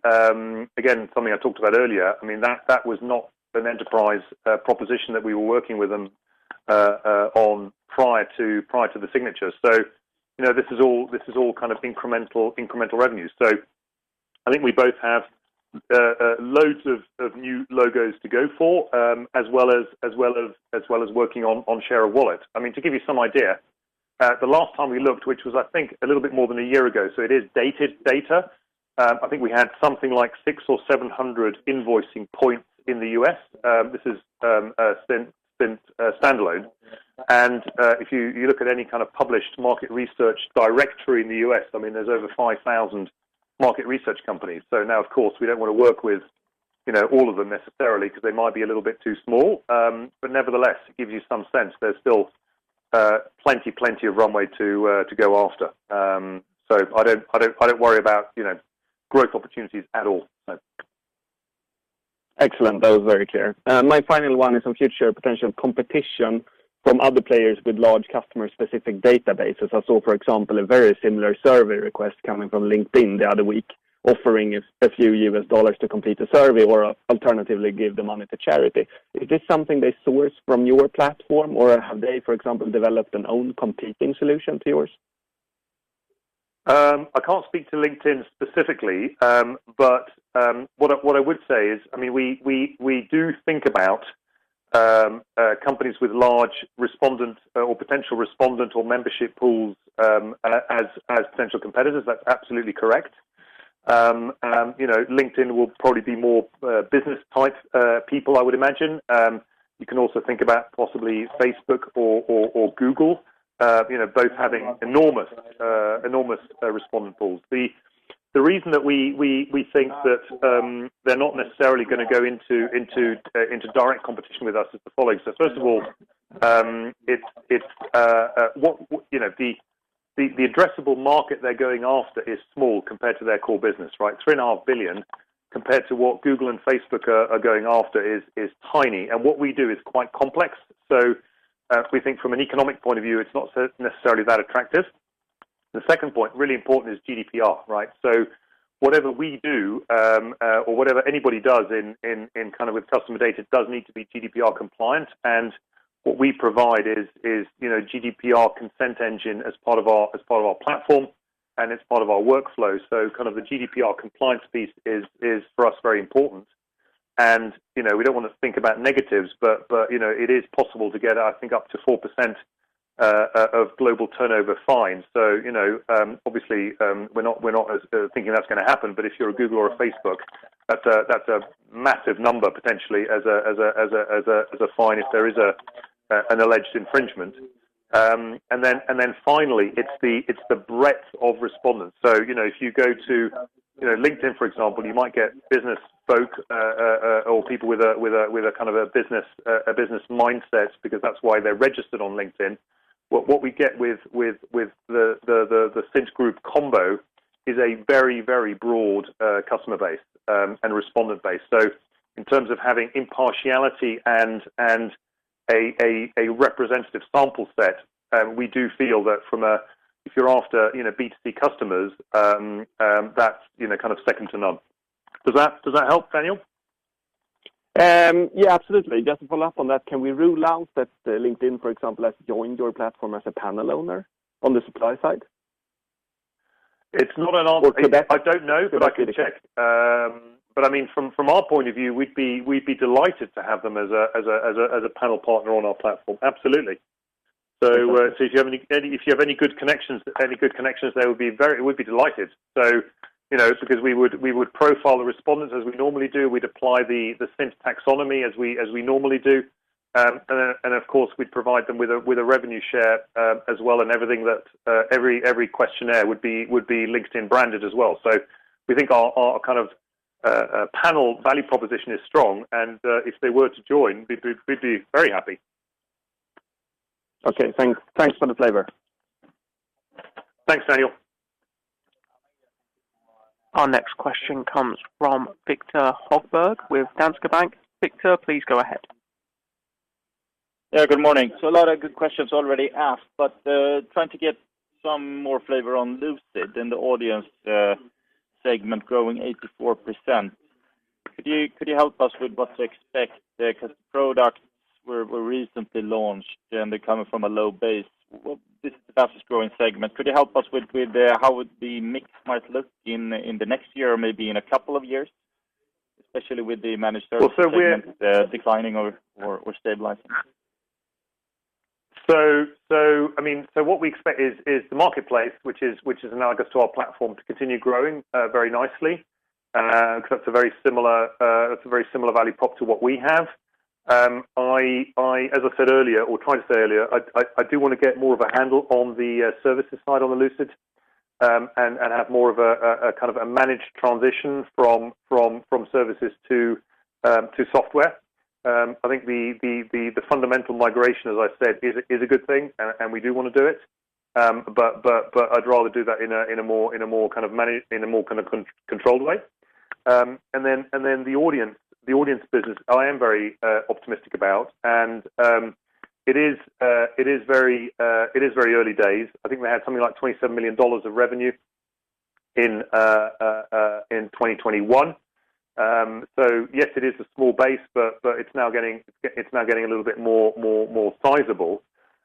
[SPEAKER 2] again, something I talked about earlier, I mean, that was not an enterprise proposition that we were working with them on prior to the signature. You know, this is all kind of incremental revenues. I think we both have loads of new logos to go for, as well as working on share of wallet. I mean, to give you some idea, the last time we looked, which was I think a little bit more than a year ago, so it is dated data, I think we had something like 600-700 invoicing points in the U.S. This is Cint standalone. If you look at any kind of published market research directory in the U.S., I mean, there's over 5,000 market research companies. Now, of course, we don't wanna work with all of them necessarily 'cause they might be a little bit too small. But nevertheless, it gives you some sense. There's still plenty of runway to go after. So I don't worry about growth opportunities at all.
[SPEAKER 6] Excellent. That was very clear. My final one is on future potential competition from other players with large customer-specific databases. I saw, for example, a very similar survey request coming from LinkedIn the other week, offering a few even dollars to complete a survey or alternatively give the money to charity. Is this something they source from your platform or have they, for example, developed an own competing solution to yours?
[SPEAKER 2] I can't speak to LinkedIn specifically, but what I would say is, I mean, we do think about companies with large respondents or potential respondent or membership pools as potential competitors. That's absolutely correct. You know, LinkedIn will probably be more business-type people, I would imagine. You can also think about possibly Facebook or Google, you know, both having enormous respondent pools. The reason that we think that they're not necessarily gonna go into direct competition with us is the following. First of all, it's what you know, the addressable market they're going after is small compared to their core business, right? $3.5 billion compared to what Google and Facebook are going after is tiny. What we do is quite complex. We think from an economic point of view, it's not so necessarily that attractive. The second point, really important is GDPR, right? Whatever we do or whatever anybody does in kind of with customer data does need to be GDPR compliant. What we provide is, you know, GDPR consent engine as part of our platform, and it's part of our workflow. Kind of the GDPR compliance piece is for us very important. You know, we don't wanna think about negatives, but you know, it is possible to get, I think, up to 4% of global turnover fines. You know, obviously, we're not thinking that's gonna happen, but if you're a Google or a Facebook, that's a massive number potentially as a fine if there is an alleged infringement. And then finally it's the breadth of respondents. you know, if you go to, you know, LinkedIn for example, you might get business folk or people with a kind of business mindset because that's why they're registered on LinkedIn. What we get with the Cint Group combo is a very broad customer base and respondent base. In terms of having impartiality and a representative sample set, we do feel that from a, if you're after, you know, B2C customers, that's, you know, kind of second to none. Does that help, Daniel?
[SPEAKER 6] Yeah, absolutely. Just to follow up on that, can we rule out that LinkedIn, for example, has joined your platform as a panel owner on the supply side?
[SPEAKER 2] It's not an answer. I don't know, but I can check. I mean, from our point of view, we'd be delighted to have them as a panel partner on our platform. Absolutely.
[SPEAKER 6] Excellent.
[SPEAKER 2] If you have any good connections there, we'd be very delighted. You know, because we would profile the respondents as we normally do. We'd apply the Cint taxonomy as we normally do. Of course we'd provide them with a revenue share as well, and every questionnaire would be LinkedIn branded as well. We think our kind of panel value proposition is strong and if they were to join, we'd be very happy.
[SPEAKER 6] Okay, thanks. Thanks for the flavor.
[SPEAKER 2] Thanks, Daniel.
[SPEAKER 1] Our next question comes from Viktor Högberg with Danske Bank. Victor, please go ahead.
[SPEAKER 7] Yeah, good morning. A lot of good questions already asked, but trying to get some more flavor on Lucid and the audience segment growing 84%. Could you help us with what to expect there? 'Cause the products were recently launched and they're coming from a low base. This is the fastest growing segment. Could you help us with how the mix might look in the next year or maybe in a couple of years, especially with the managed service segment declining or stabilizing?
[SPEAKER 2] I mean what we expect is the marketplace, which is analogous to our platform, to continue growing very nicely because that's a very similar value prop to what we have. As I said earlier or tried to say earlier I do wanna get more of a handle on the services side on the Lucid and have more of a kind of managed transition from services to software. I think the fundamental migration, as I said, is a good thing and we do wanna do it. I'd rather do that in a more kind of controlled way. The audience business I am very optimistic about and it is very early days. I think they had something like $27 million of revenue in 2021. Yes it is a small base, but it's now getting a little bit more sizable.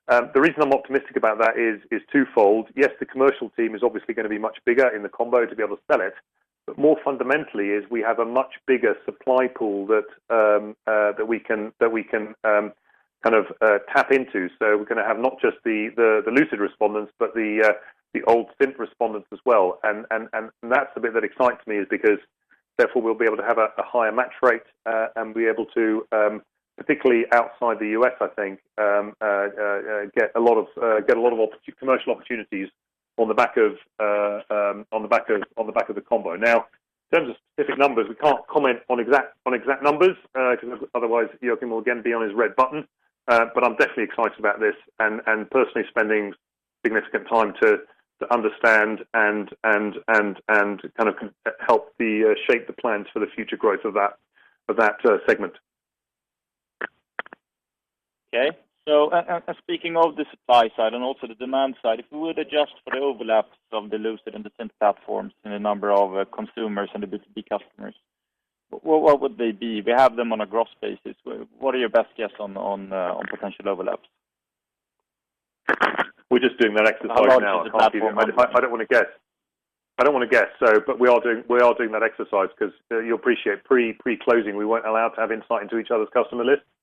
[SPEAKER 2] The reason I'm optimistic about that is twofold. Yes, the commercial team is obviously gonna be much bigger in the combo to be able to sell it, but more fundamentally is we have a much bigger supply pool that we can kind of tap into. We're gonna have not just the Lucid respondents, but the old Cint respondents as well. That's the bit that excites me because therefore we'll be able to have a higher match rate and be able to, particularly outside the U.S. I think, get a lot of commercial opportunities on the back of the combo. Now, in terms of specific numbers, we can't comment on exact numbers 'cause otherwise Joakim will again be on his red button. I'm definitely excited about this and personally spending significant time to understand and kind of help shape the plans for the future growth of that segment.
[SPEAKER 7] Okay. And speaking of the supply side and also the demand side, if we were to adjust for the overlaps of the Lucid and the Cint platforms in the number of consumers and the B2B customers, what would they be? We have them on a gross basis. What are your best guess on potential overlaps?
[SPEAKER 3] We're just doing that exercise now.
[SPEAKER 7] How large is the platform?
[SPEAKER 3] I don't wanna guess. We are doing that exercise 'cause you'll appreciate pre-closing, we weren't allowed to have insight into each other's customer lists or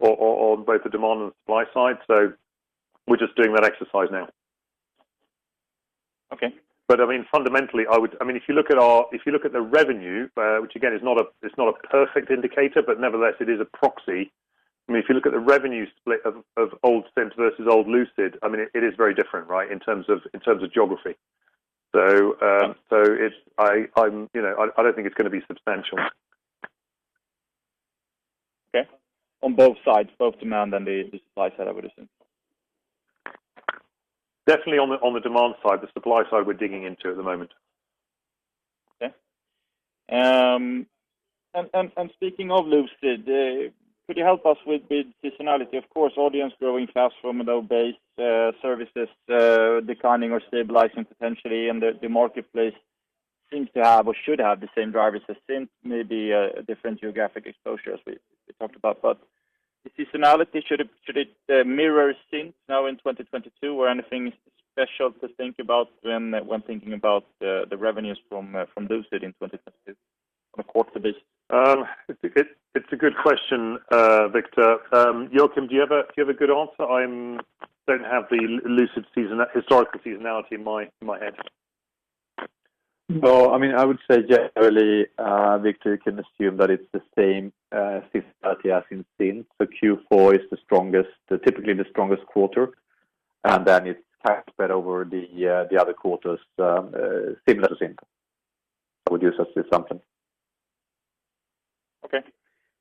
[SPEAKER 3] on both the demand and supply side. We're just doing that exercise now.
[SPEAKER 7] Okay.
[SPEAKER 3] Fundamentally, I mean, if you look at the revenue, which again is not a perfect indicator, but nevertheless, it is a proxy. I mean, if you look at the revenue split of old Cint versus old Lucid, I mean, it is very different, right? In terms of geography. It's, you know, I don't think it's gonna be substantial.
[SPEAKER 7] Okay. On both sides, both demand and the supply side, I would assume.
[SPEAKER 2] Definitely on the demand side. The supply side, we're digging into at the moment.
[SPEAKER 7] Okay. Speaking of Lucid, could you help us with the seasonality? Of course, audience growing fast from a low base, services declining or stabilizing potentially, and the marketplace seems to have or should have the same drivers as Cint, maybe a different geographic exposure as we talked about. The seasonality, should it mirror Cint now in 2022, or anything special to think about when thinking about the revenues from Lucid in 2022 on a quarterly basis?
[SPEAKER 2] It's a good question, Viktor. Joakim, do you have a good answer? I don't have the Lucid historical seasonality in my head.
[SPEAKER 3] No, I mean, I would say generally, Viktor, you can assume that it's the same seasonality as in Cint. So Q4 is the strongest, typically the strongest quarter, and then it's kind of spread over the other quarters, similar to Cint. That would be just a assumption.
[SPEAKER 7] Okay.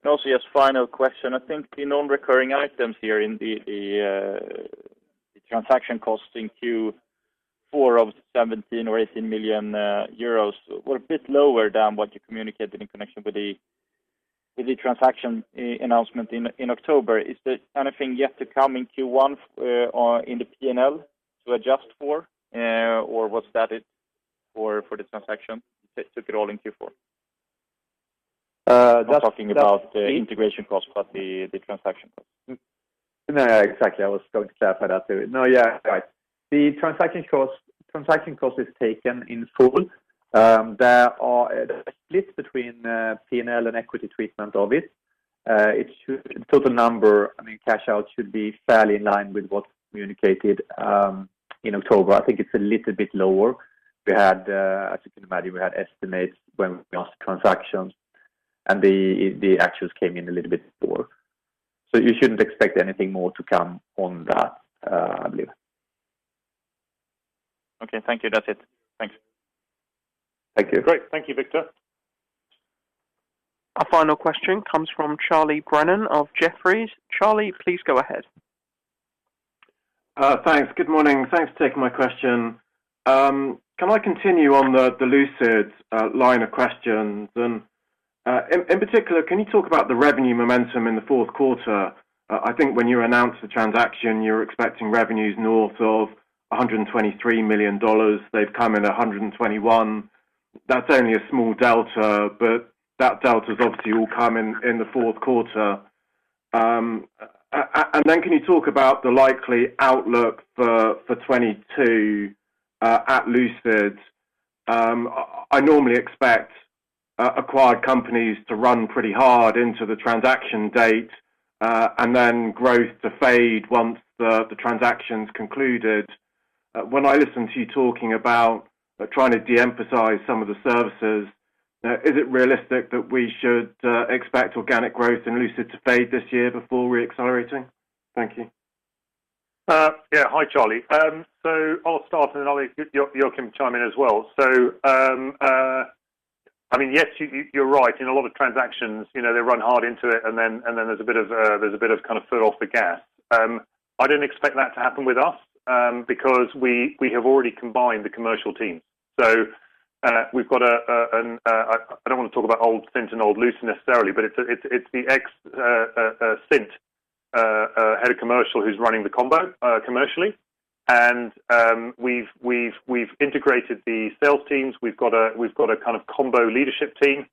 [SPEAKER 7] Also, yes, final question. I think the non-recurring items here in the transaction cost in Q4 of 17 million or 18 million euros were a bit lower than what you communicated in connection with the transaction announcement in October. Is there anything yet to come in Q1 or in the P&L to adjust for or was that it for the transaction? You took it all in Q4. I'm talking about the integration cost for the transaction cost.
[SPEAKER 3] No, exactly. I was going to clarify that. No, yeah, right. The transaction cost is taken in full. There's a split between P&L and equity treatment of it. The total number, I mean, cash out should be fairly in line with what's communicated in October. I think it's a little bit lower. We had, as you can imagine, we had estimates when we announced the transactions and the actuals came in a little bit lower. You shouldn't expect anything more to come on that, I believe.
[SPEAKER 7] Okay, thank you. That's it. Thanks.
[SPEAKER 3] Thank you.
[SPEAKER 2] Great. Thank you, Viktor.
[SPEAKER 1] Our final question comes from Charlie Brennan of Jefferies. Charlie, please go ahead.
[SPEAKER 8] Thanks. Good morning. Thanks for taking my question. Can I continue on the Lucid line of questions? In particular, can you talk about the revenue momentum in the fourth quarter? I think when you announced the transaction, you were expecting revenues north of $123 million. They've come in at $121 million. That's only a small delta, but that delta is obviously all come in the fourth quarter. Then can you talk about the likely outlook for 2022 at Lucid? I normally expect acquired companies to run pretty hard into the transaction date, and then growth to fade once the transaction's concluded. When I listen to you talking about trying to de-emphasize some of the services, is it realistic that we should expect organic growth in Lucid to fade this year before re-accelerating? Thank you.
[SPEAKER 2] Yeah. Hi, Charlie. I'll start, and then I'll let Joakim chime in as well. I mean, yes, you're right. In a lot of transactions, you know, they run hard into it, and then there's a bit of kind of foot off the gas. I don't expect that to happen with us, because we have already combined the commercial teams. I don't want to talk about old Cint and old Lucid necessarily, but it's the ex-Cint head of commercial who's running the combo commercially. We've integrated the sales teams. We've got a kind of combo leadership team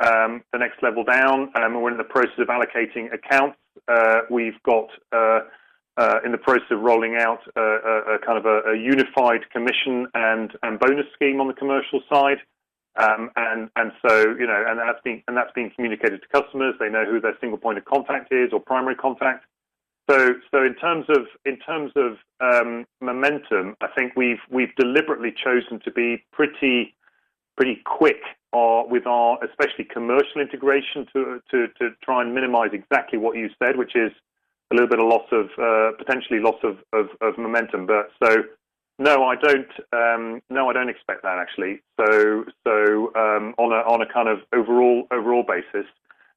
[SPEAKER 2] the next level down. We're in the process of allocating accounts. We've got in the process of rolling out a kind of a unified commission and bonus scheme on the commercial side. You know, that's being communicated to customers. They know who their single point of contact is or primary contact. In terms of momentum, I think we've deliberately chosen to be pretty quick with our especially commercial integration to try and minimize exactly what you said, which is a little bit of potential loss of momentum. I don't expect that actually. On a kind of overall basis,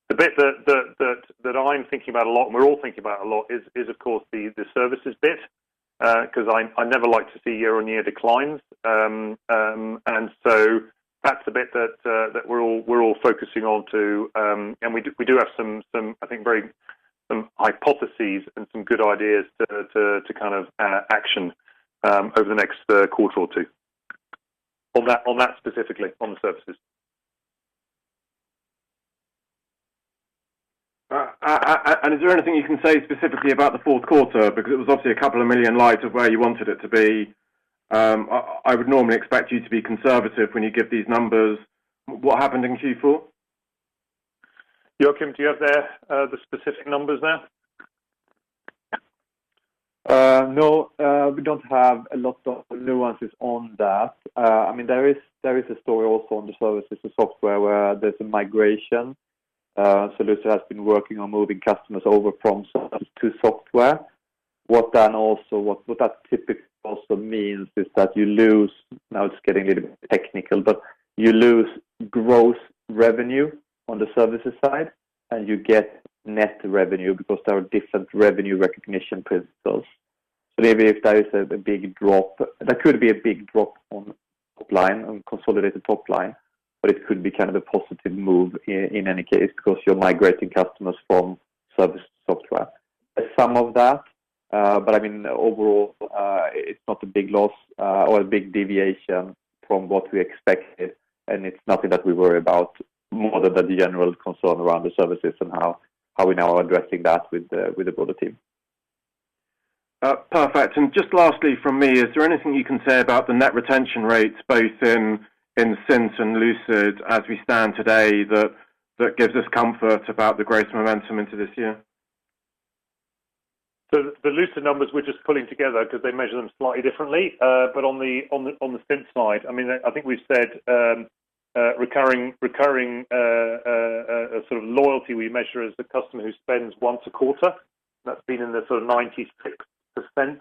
[SPEAKER 2] the bit that I'm thinking about a lot and we're all thinking about a lot is of course the services bit, 'cause I never like to see year-on-year declines. That's the bit that we're all focusing on to, and we have some I think some hypotheses and some good ideas to kind of action over the next quarter or two. On that specifically on the services.
[SPEAKER 8] Is there anything you can say specifically about the fourth quarter? Because it was obviously a couple of million light of where you wanted it to be. I would normally expect you to be conservative when you give these numbers. What happened in Q4?
[SPEAKER 2] Joakim, do you have the specific numbers there?
[SPEAKER 3] No, we don't have a lot of nuances on that. I mean, there is a story also on the services and software where there's a migration. Lucid has been working on moving customers over from service to software. What that typically also means is that you lose, now it's getting a little bit technical, but you lose gross revenue on the services side, and you get net revenue because there are different revenue recognition principles. Maybe if there is a big drop, there could be a big drop on top line, on consolidated top line, but it could be kind of a positive move in any case because you're migrating customers from service to software. Some of that, but I mean, overall, it's not a big loss, or a big deviation from what we expected, and it's nothing that we worry about more than the general concern around the services and how we now are addressing that with the broader team.
[SPEAKER 8] Perfect. Just lastly from me, is there anything you can say about the net retention rates both in Cint and Lucid as we stand today that gives us comfort about the growth momentum into this year?
[SPEAKER 2] The Lucid numbers we're just pulling together because they measure them slightly differently. On the Cint side, I mean, I think we've said recurring sort of loyalty we measure is the customer who spends once a quarter. That's been in the sort of 96%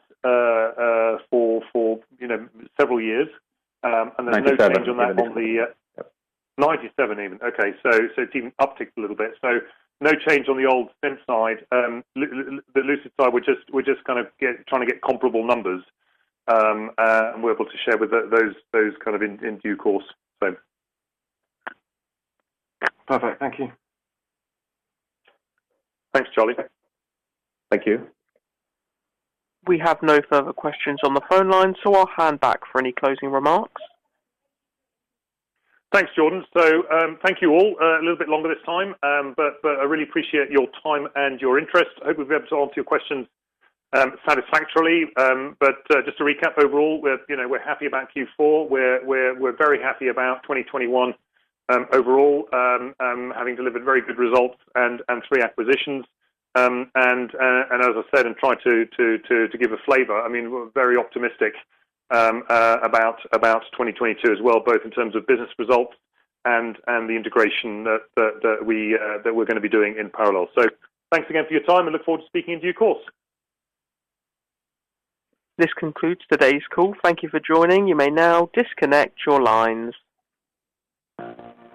[SPEAKER 2] for you know several years. There's no change on that.
[SPEAKER 3] 97 even
[SPEAKER 2] 97 even. Okay. It's even upticked a little bit. No change on the old Cint side. On the Lucid side, we're just trying to get comparable numbers, and we're able to share those kind of in due course.
[SPEAKER 8] Perfect. Thank you.
[SPEAKER 2] Thanks, Charlie.
[SPEAKER 3] Thank you.
[SPEAKER 1] We have no further questions on the phone line, so I'll hand back for any closing remarks.
[SPEAKER 2] Thanks, Jordan. Thank you all. A little bit longer this time, but I really appreciate your time and your interest. I hope we've been able to answer your questions satisfactorily. Just to recap overall, you know, we're happy about Q4. We're very happy about 2021 overall, having delivered very good results and three acquisitions. As I said, in trying to give a flavor, I mean, we're very optimistic about 2022 as well, both in terms of business results and the integration that we're gonna be doing in parallel. Thanks again for your time and I look forward to speaking in due course.
[SPEAKER 1] This concludes today's call. Thank you for joining. You may now disconnect your lines.